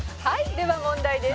では問題です」